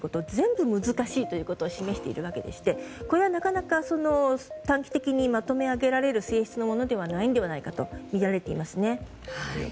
全部、難しいということを示しているわけでしてこれはなかなか短期的にまとめ上げられる性質のものではないのではないかとみられていますね。